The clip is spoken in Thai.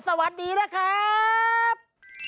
สวัสดีนะครับ